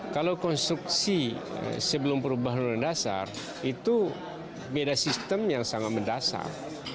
kalau konstruksi sebelum perubahan undang undang dasar itu beda sistem yang sangat mendasar